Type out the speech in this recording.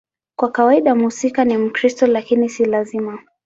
Kwa kawaida mhusika ni Mkristo, lakini si lazima.